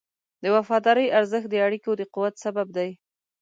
د وفادارۍ ارزښت د اړیکو د قوت سبب دی.